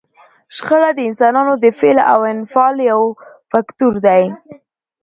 شخړه د انسانانو د فعل او انفعال یو فکتور دی.